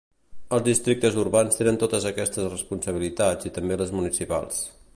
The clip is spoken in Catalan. Els districtes urbans tenen totes aquestes responsabilitats i també les municipals.